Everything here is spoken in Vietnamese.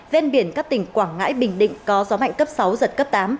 ven biển các tỉnh quảng ngãi bình định có gió mạnh cấp sáu giật cấp tám